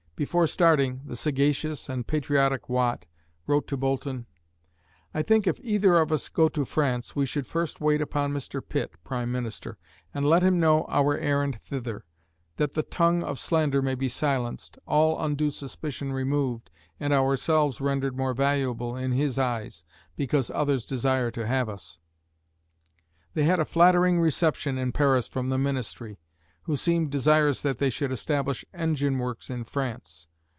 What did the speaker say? Before starting, the sagacious and patriotic Watt wrote to Boulton: I think if either of us go to France, we should first wait upon Mr. Pitt (prime minister), and let him know our errand thither, that the tongue of slander may be silenced, all undue suspicion removed, and ourselves rendered more valuable in his eyes, because others desire to have us! They had a flattering reception in Paris from the ministry, who seemed desirous that they should establish engine works in France.